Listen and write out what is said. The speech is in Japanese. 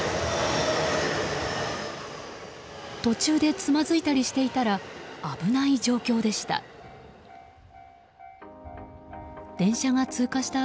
途中でつまずいたりしていたら危ない状況でした。